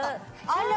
あら。